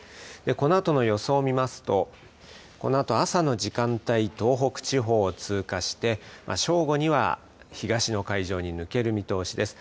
このあとの予想を見ますとこのあと、朝の時間帯東北地方を通過して正午には東の海上に抜ける見通しです。